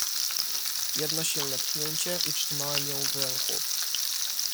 "Jedno silne pchnięcie, i trzymałem ją w ręku."